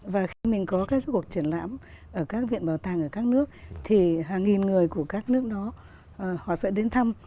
và khi mình có các cuộc triển lãm ở các viện bảo tàng ở các nước thì hàng nghìn người của các nước đó họ sẽ đến thăm